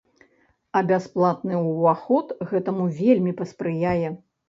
А бясплатны ўваход гэтаму вельмі паспрыяе.